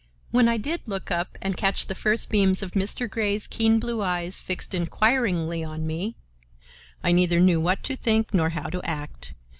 When I did look up and catch the first beams of Mr. Grey's keen blue eyes fixed inquiringly on me, I neither knew what to think nor how to act.